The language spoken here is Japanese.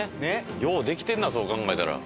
ようできてんなそう考えたら。